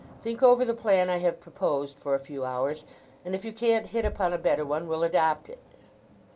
Think over the plan I have proposed for a few hours; and if you can't hit upon a better one we'll adopt it.